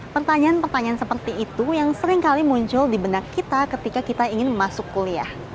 pertanyaan pertanyaan seperti itu yang seringkali muncul di benak kita ketika kita ingin masuk kuliah